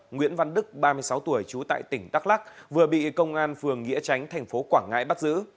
nguyễn văn đức ba mươi sáu tuổi trú tại tỉnh đắk lắc vừa bị công an phường nghĩa tránh thành phố quảng ngãi bắt giữ